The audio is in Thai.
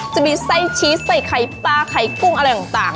จะมีไส้ชีสใส่ไข่ปลาไข่กุ้งอะไรต่าง